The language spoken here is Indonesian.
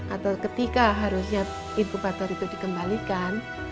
atau ketika harusnya inkubator itu dikembalikan